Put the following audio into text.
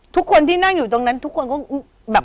ทุกคนที่นั่งอยู่ตรงนั้นทุกคนก็แบบ